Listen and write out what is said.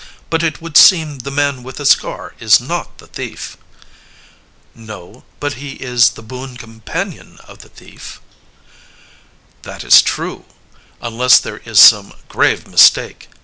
But it would seem the man with a scar is not the thief." "No, but he is the boon companion of the thief." "That is true unless there is some grave mistake.